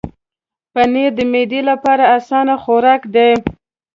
پنېر د معدې لپاره اسانه خوراک دی.